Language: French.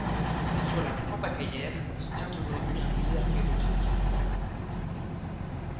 Sur la Pointe-à-Callière se tient aujourd'hui un musée archéologique.